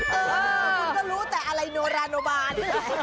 เออคุณก็รู้แต่อะไรโนราโนบาน